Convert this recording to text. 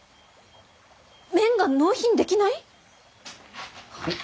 麺が納品できない！？